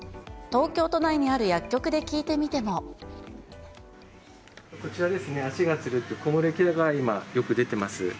東京都内にある薬局で聞いてこちらですね、足がつるって、コムレケアが今、よく出てます。